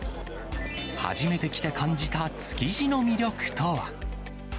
初めて来て感じた築地の魅力とは。